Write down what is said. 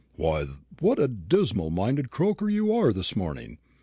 "Why, what a dismal minded croaker you are this morning!"